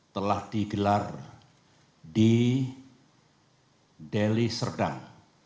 telah digelar di deli serdang